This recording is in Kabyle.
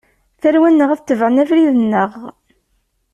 Tarwa-nneɣ ad tebɛen abrid-nneɣ.